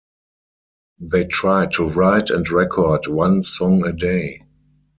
They tried to write and record one song a day.